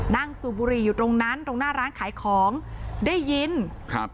สูบบุหรี่อยู่ตรงนั้นตรงหน้าร้านขายของได้ยินครับ